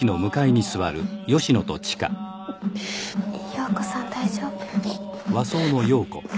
陽子さん大丈夫？